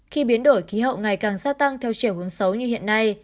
khi biến đổi khí hậu ngày càng gia tăng theo chiều hướng xấu như hiện nay